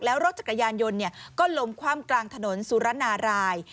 แล้วรถจักรยานยนต์ก็ล้มคว่ำกลางถนนสุรนาราย